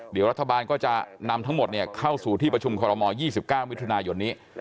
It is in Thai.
เดี๋ยวรัฐบาลก็จะนำทั้งหมดเข้าสู่ที่ประชุมคอรมอล๒๙มิถุนายนนี้